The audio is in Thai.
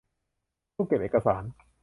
ตู้เก็บเอกสาร